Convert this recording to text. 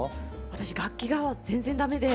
私楽器が全然だめで。